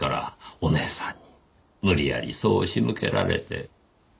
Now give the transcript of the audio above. お姉さんに無理やりそう仕向けられて。